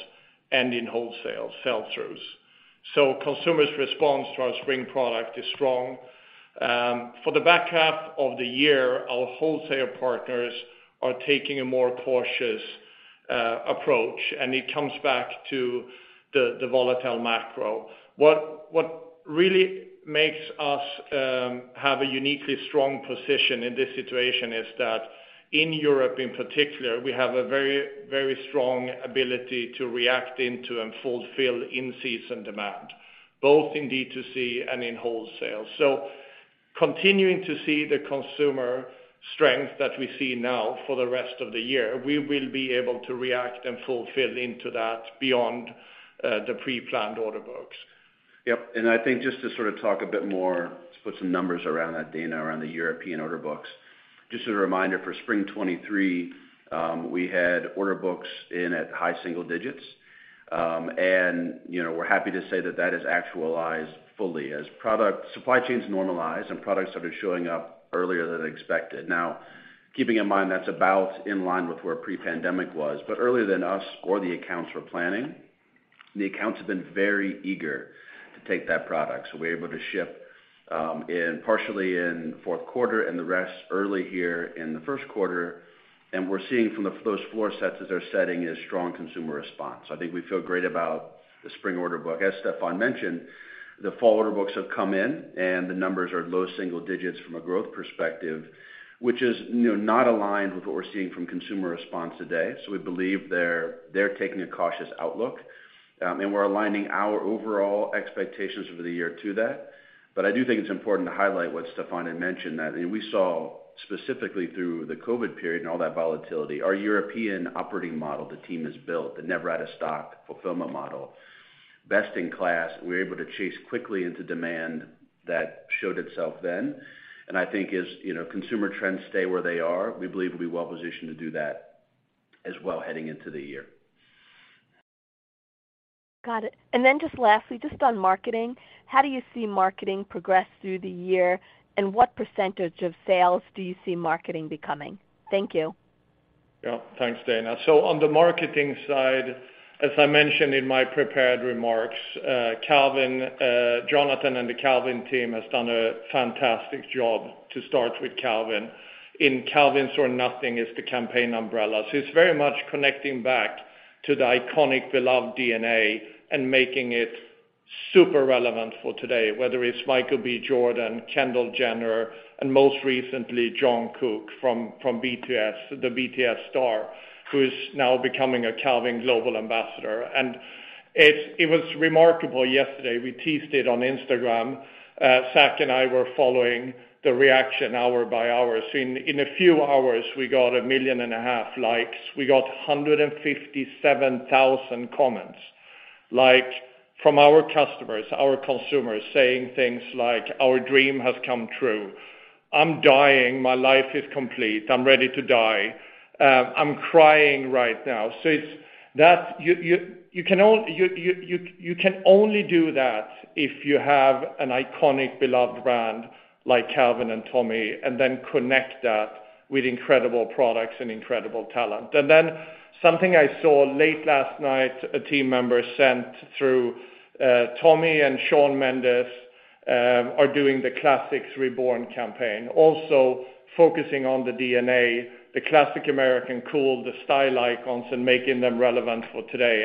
and in wholesale sell-throughs. Consumers' response to our spring product is strong. For the back half of the year, our wholesale partners are taking a more cautious approach, and it comes back to the volatile macro. What really makes us have a uniquely strong position in this situation is that in Europe in particular, we have a very, very strong ability to react into and fulfill in-season demand, both in D2C and in wholesale. Continuing to see the consumer strength that we see now for the rest of the year, we will be able to react and fulfill into that beyond the preplanned order books. Yep. I think just to sort of talk a bit more, to put some numbers around that, Dana, around the European order books. Just as a reminder, for spring 2023, we had order books in at high single digits. You know, we're happy to say that that has actualized fully as supply chains normalize and products started showing up earlier than expected. Now, keeping in mind that's about in line with where pre-pandemic was, but earlier than us or the accounts were planning. The accounts have been very eager to take that product. We're able to ship, partially in fourth quarter and the rest early here in the first quarter. We're seeing from those floor sets that they're setting is strong consumer response. I think we feel great about the spring order book. As Stefan mentioned, the fall order books have come in and the numbers are low single digits from a growth perspective, which is, you know, not aligned with what we're seeing from consumer response today. We believe they're taking a cautious outlook. We're aligning our overall expectations for the year to that. I do think it's important to highlight what Stefan had mentioned, that we saw specifically through the COVID period and all that volatility, our European operating model the team has built, the never out of stock fulfillment model, best in class. We were able to chase quickly into demand that showed itself then. I think as, you know, consumer trends stay where they are, we believe we'll be well positioned to do that as well heading into the year. Got it. Just lastly, just on marketing, how do you see marketing progress through the year, and what % of sales do you see marketing becoming? Thank you. Yeah. Thanks, Dana. On the marketing side, as I mentioned in my prepared remarks, Calvin, Jonathan and the Calvin team has done a fantastic job to start with Calvin. In Calvins or nothing is the campaign umbrella. It's very much connecting back to the iconic beloved DNA and making it super relevant for today, whether it's Michael B. Jordan, Kendall Jenner, and most recently, Jungkook from BTS, the BTS star, who is now becoming a Calvin global ambassador. It was remarkable yesterday. We teased it on Instagram. Zac and I were following the reaction hour by hour. In a few hours we got 1.5 million likes. We got 157,000 comments, like from our customers, our consumers saying things like, "Our dream has come true. I'm dying, my life is complete. I'm ready to die. I'm crying right now." You can only do that if you have an iconic beloved brand like Calvin and Tommy, and then connect that with incredible products and incredible talent. Something I saw late last night, a team member sent through, Tommy and Shawn Mendes are doing the Classics Reborn campaign, also focusing on the DNA, the classic American cool, the style icons, and making them relevant for today.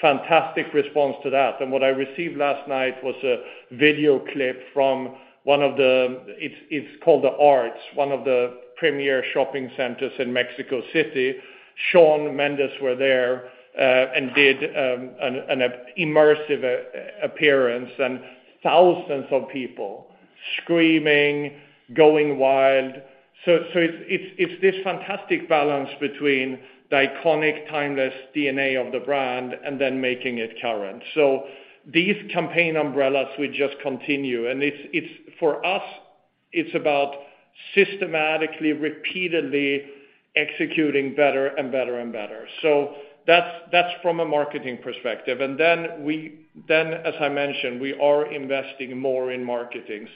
Fantastic response to that. What I received last night was a video clip from ARTZ Pedregal, one of the premier shopping centers in Mexico City. Shawn Mendes were there and did an immersive appearance, thousands of people screaming, going wild. It's this fantastic balance between the iconic timeless DNA of the brand and then making it current. These campaign umbrellas, we just continue. It's for us, it's about systematically, repeatedly executing better and better and better. That's from a marketing perspective. Then, as I mentioned, we are investing more in marketing.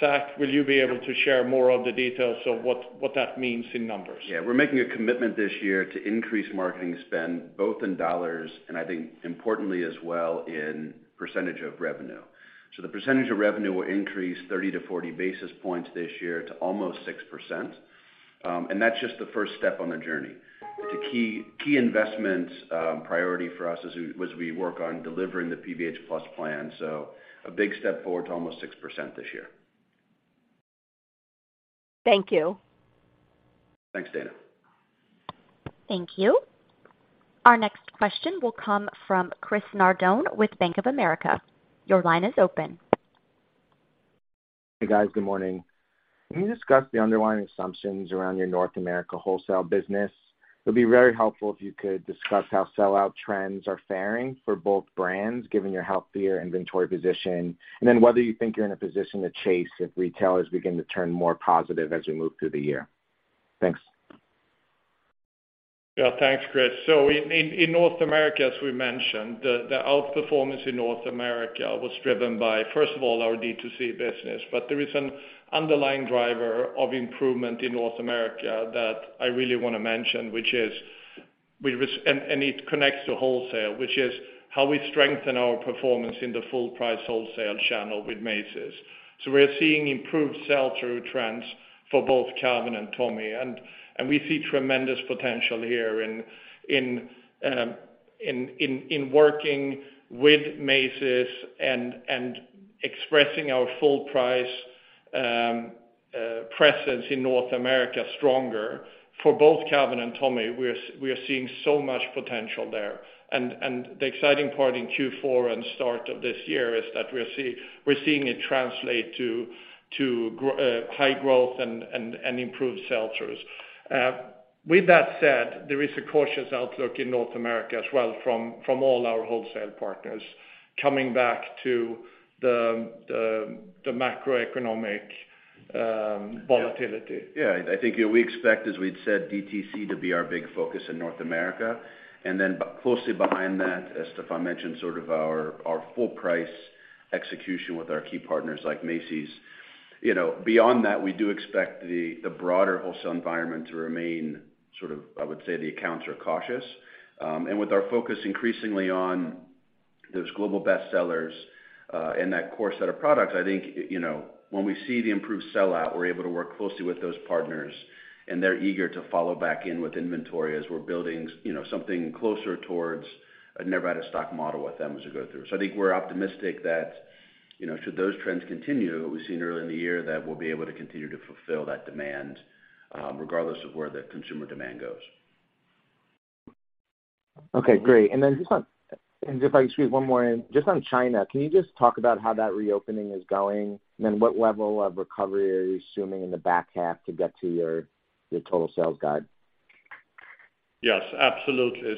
Zac, will you be able to share more of the details of what that means in numbers? Yeah. We're making a commitment this year to increase marketing spend, both in $ and I think importantly as well in percentage of revenue. The percentage of revenue will increase 30-40 basis points this year to almost 6%. That's just the first step on the journey. It's a key investment priority for us as we work on delivering the PVH+ Plan. A big step forward to almost 6% this year. Thank you. Thanks, Dana. Thank you. Our next question will come from Christopher Nardone with Bank of America. Your line is open. Hey, guys. Good morning. Can you discuss the underlying assumptions around your North America wholesale business? It would be very helpful if you could discuss how sell-out trends are faring for both brands, given your healthier inventory position, and then whether you think you're in a position to chase if retailers begin to turn more positive as we move through the year. Thanks. Yeah, thanks, Chris. In North America, as we mentioned, the outperformance in North America was driven by, first of all, our D2C business. There is an underlying driver of improvement in North America that I really wanna mention, which is we and it connects to wholesale, which is how we strengthen our performance in the full price wholesale channel with Macy's. We're seeing improved sell-through trends for both Calvin and Tommy. We see tremendous potential here in working with Macy's and expressing our full price presence in North America stronger for both Calvin and Tommy. We are seeing so much potential there. The exciting part in Q4 and start of this year is that we're seeing it translate to high growth and improved sell-throughs. With that said, there is a cautious outlook in North America as well from all our wholesale partners coming back to the macroeconomic volatility. Yeah. Yeah. I think we expect, as we'd said, DTC to be our big focus in North America. Closely behind that, as Stefan mentioned, sort of our full price execution with our key partners like Macy's. You know, beyond that, we do expect the broader wholesale environment to remain sort of, I would say, the accounts are cautious. With our focus increasingly on those global bestsellers, and that core set of products, I think, you know, when we see the improved sell-out, we're able to work closely with those partners, and they're eager to follow back in with inventory as we're building, you know, something closer towards a never out of stock model with them as we go through. I think we're optimistic that, you know, should those trends continue that we've seen earlier in the year, that we'll be able to continue to fulfill that demand, regardless of where the consumer demand goes. Okay, great. If I can squeeze one more in. Just on China, can you just talk about how that reopening is going, what level of recovery are you assuming in the back half to get to your total sales guide? Yes, absolutely.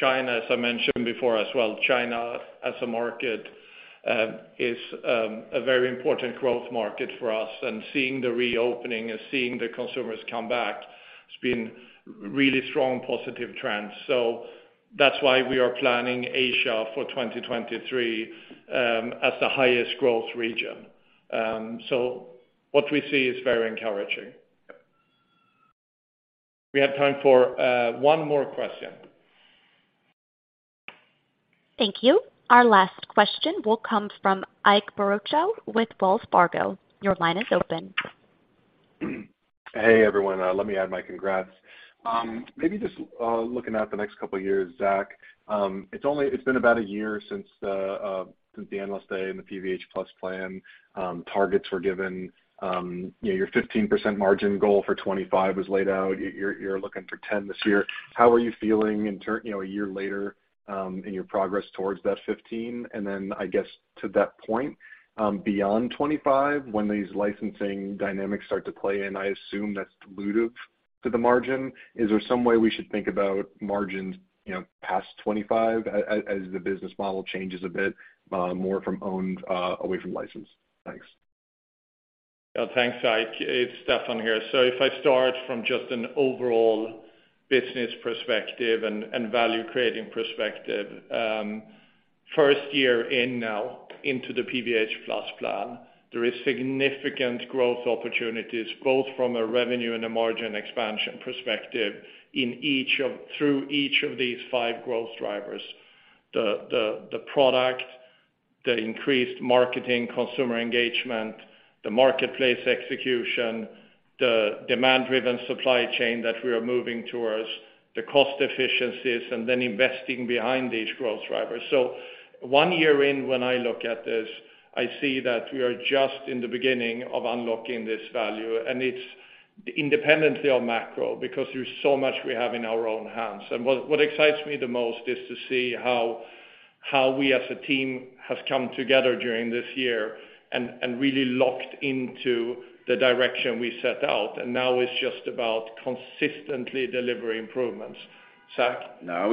China, as I mentioned before as well, China as a market is a very important growth market for us. Seeing the reopening and seeing the consumers come back, it's been really strong positive trends. That's why we are planning Asia for 2023 as the highest growth region. What we see is very encouraging. Yep. We have time for one more question. Thank you. Our last question will come from Ike Boruchow with Wells Fargo. Your line is open. Hey, everyone. Let me add my congrats. Maybe just looking at the next couple of years, Zac. It's been about a year since the analyst day and the PVH+ Plan targets were given. You know, your 15% margin goal for 25 was laid out. You're looking for 10 this year. How are you feeling in term, you know, a year later, in your progress towards that 15? I guess to that point, beyond 25, when these licensing dynamics start to play in, I assume that's dilutive to the margin. Is there some way we should think about margins, you know, past 25 as the business model changes a bit, more from owned, away from license? Thanks. Yeah, thanks, Ike. It's Stefan here. If I start from just an overall business perspective and value creating perspective, first year in now into the PVH+ Plan, there is significant growth opportunities, both from a revenue and a margin expansion perspective through each of these five growth drivers. The product, the increased marketing, consumer engagement, the marketplace execution, the demand-driven supply chain that we are moving towards, the cost efficiencies, and then investing behind these growth drivers. One year in, when I look at this, I see that we are just in the beginning of unlocking this value, and it's independently of macro because there's so much we have in our own hands. What excites me the most is to see how we as a team has come together during this year and really locked into the direction we set out. Now it's just about consistently delivering improvements. Zac?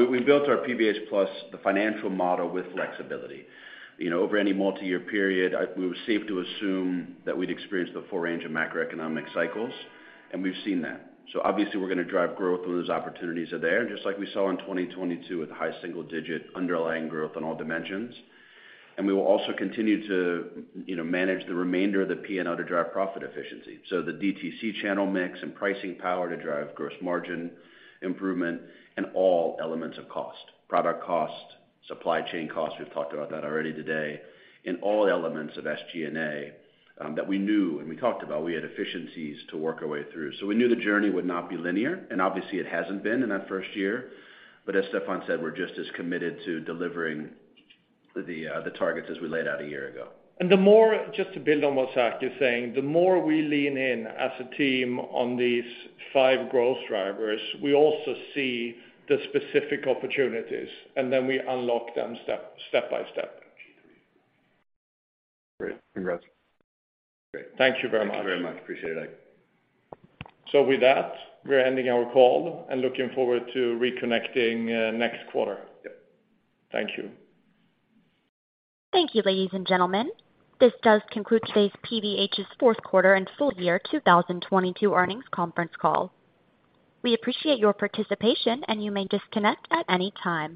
We built our PVH+, the financial model with flexibility. You know, over any multi-year period, we were safe to assume that we'd experience the full range of macroeconomic cycles, and we've seen that. Obviously, we're gonna drive growth when those opportunities are there, just like we saw in 2022 with high single digit underlying growth on all dimensions. We will also continue to, you know, manage the remainder of the P&L to drive profit efficiency. The DTC channel mix and pricing power to drive gross margin improvement and all elements of cost. Product cost, supply chain cost, we've talked about that already today, in all elements of SG&A, that we knew and we talked about, we had efficiencies to work our way through. We knew the journey would not be linear, and obviously, it hasn't been in that first year. As Stefan said, we're just as committed to delivering the targets as we laid out a year ago. Just to build on what Zac is saying, the more we lean in as a team on these five growth drivers, we also see the specific opportunities, and then we unlock them step by step. Great. Congrats. Great. Thank you very much. Thank you very much. Appreciate it, Ike. With that, we're ending our call and looking forward to reconnecting next quarter. Yep. Thank you. Thank you, ladies and gentlemen. This does conclude today's PVH's fourth quarter and full year 2022 earnings conference call. We appreciate your participation, and you may disconnect at any time.